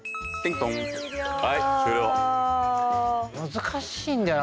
難しいんだよな